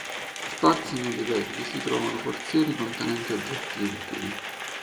Sparsi nei livelli si trovano forzieri contenenti oggetti utili.